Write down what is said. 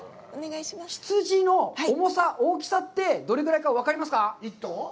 羊の重さ、大きさって、どれぐらいか分かりますか？